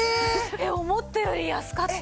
思ったより安かった。